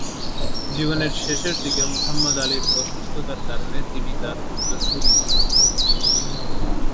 জীবনের শেষের দিকে মুহাম্মদ আলির অসুস্থতার কারণে তিনি তার উত্তরসুরি হন।